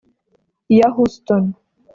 ya Houston